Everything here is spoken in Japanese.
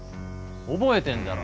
覚えてんだろ？